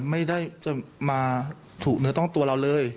ไม่ได้จะมาถูกเนื้อต้องตัวเราเลย